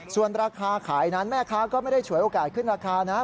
ส่วนราคาขายนั้นแม่ค้าก็ไม่ได้ฉวยโอกาสขึ้นราคานะ